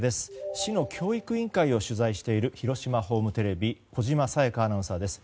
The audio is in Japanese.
市の教育委員会を取材している広島ホームテレビ小嶋沙耶香アナウンサーです。